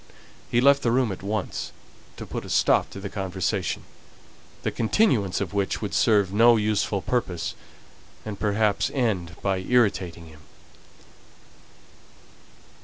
He left the room at once, to put a stop to the conversation, the continuance of which would serve no useful purpose, and perhaps end by irritating him.